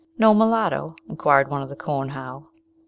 "No mulatto?" inquired one of the corn how.